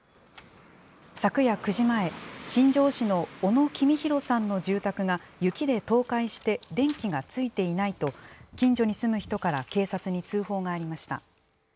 昨夜９時前、新庄市の小野公宏さんの住宅が雪で倒壊して電気がついていないと、近所に住む人から警察に通報がありました。